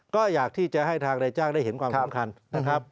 ก็อยากที่จะให้ทางนายจ้างได้เห็นความสำคัญนะครับ